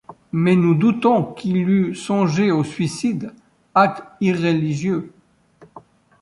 Mais nous doutons qu’il eût songé au suicide, acte irréligieux.